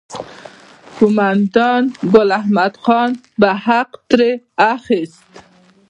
قوماندان ګل محمد خان به حق ترې اخیست.